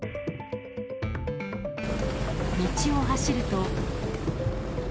道を走ると。